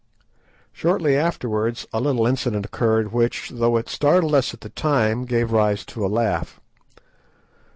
Shortly afterwards a little incident occurred which, though it startled us at the time, gave rise to a laugh.